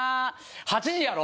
８時やろ？